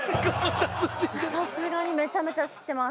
さすがにめちゃめちゃ知ってます。